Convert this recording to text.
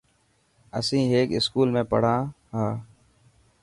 اسين هڪ اسڪول ۾ پڙهان ها.